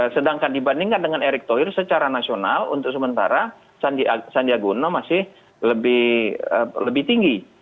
sedangkan dibandingkan dengan erik thohir secara nasional untuk sementara sandiaga uno masih lebih tinggi